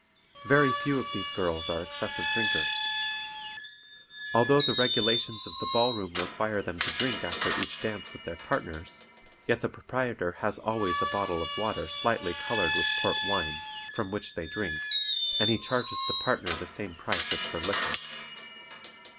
Very few of these girls are excessive drinkers. Although the regulations of the ball room require them to drink after each dance with their partners, yet the proprietor has always a bottle of water slightly colored with port wine, from which they drink, and he charges the partner the same price as for liquor."